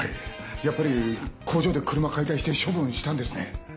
やっぱり工場で車解体して処分したんですね。